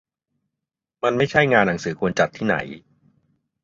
มันไม่ใช่งานหนังสือควรจัดที่ไหน